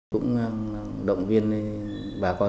cũng động viên bà con